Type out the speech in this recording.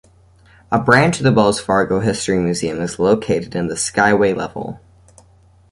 A branch of the Wells Fargo History Museum is located in the skyway level.